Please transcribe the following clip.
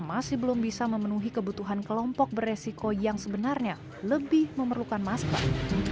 masih belum bisa memenuhi kebutuhan kelompok beresiko yang sebenarnya lebih memerlukan masker